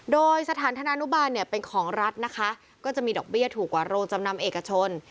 โดยสถานธนานุบาลเนี่ยเป็นของรัฐนะคะก็จะมีดอกเบี้ยถูกกว่าโรงจำนำเอกชน